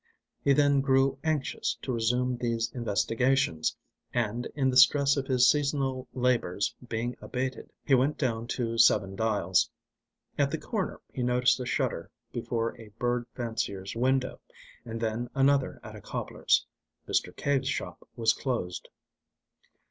He then grew anxious to resume these investigations, and, the stress of his seasonal labours being abated, he went down to Seven Dials. At the corner he noticed a shutter before a bird fancier's window, and then another at a cobbler's. Mr. Cave's shop was closed.